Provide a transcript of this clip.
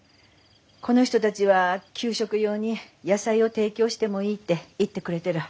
この人たちは給食用に野菜を提供してもいいって言ってくれてる。